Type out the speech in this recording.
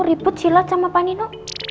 ribut silat sama pak nino